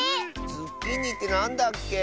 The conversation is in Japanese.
ズッキーニってなんだっけ？